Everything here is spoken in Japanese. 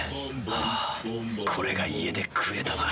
あぁこれが家で食えたなら。